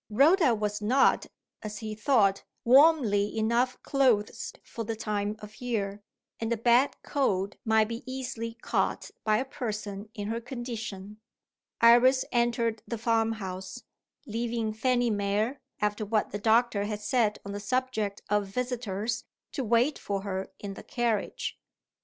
Rhoda was not, as he thought, warmly enough clothed for the time of year; and a bad cold might be easily caught by a person in her condition. Iris entered the farm house; leaving Fanny Mere, after what the doctor had said on the subject of visitors, to wait for her in the carriage.